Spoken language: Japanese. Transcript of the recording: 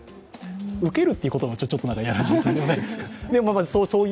受けるということも、ちょっとやらしいですがね。